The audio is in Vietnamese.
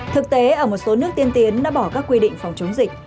thực tế ở một số nước tiên tiến đã bỏ các quy định phòng chống dịch